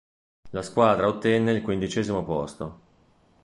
La squadra ottenne il quindicesimo posto.